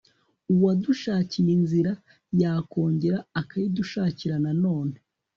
uwadushakiye inzira yakongera akayidushakira nanone